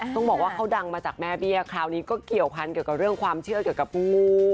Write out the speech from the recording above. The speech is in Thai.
ต้องบอกว่าเขาดังมาจากแม่เบี้ยคราวนี้ก็เกี่ยวพันเกี่ยวกับเรื่องความเชื่อเกี่ยวกับงู